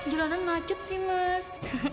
jalanan macet sih mas